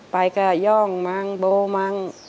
ไปก็ย่องมั้งโบมั้ง